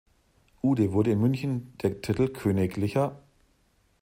Uhde wurde in München der Titel "königl.